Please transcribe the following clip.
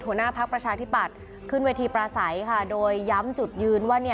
หัวหน้าพักประชาธิปัตย์ขึ้นเวทีปราศัยค่ะโดยย้ำจุดยืนว่า